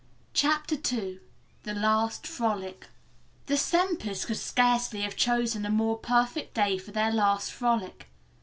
CHAPTER II THE LAST FROLIC The Sempers could scarcely have chosen a more perfect day for their last frolic.